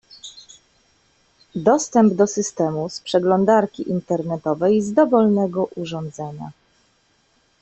Dostęp do systemu z przeglądarki internetowej z dowolnego urządzenia.